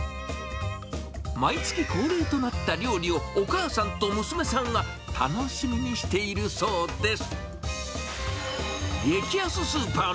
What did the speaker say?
毎月恒例となった料理を、お母さんと娘さんは楽しみにしているそうです。